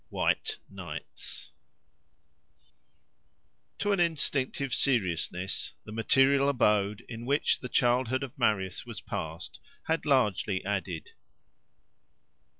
WHITE NIGHTS To an instinctive seriousness, the material abode in which the childhood of Marius was passed had largely added.